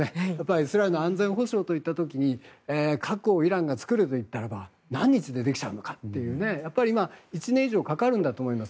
イスラエルの安全保障といった時に核をイランが作ると言ったら何年かかるか今、１年以上かかるんだと思います。